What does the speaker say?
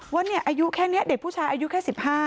ว่าเด็กผู้ชายอายุแค่๑๕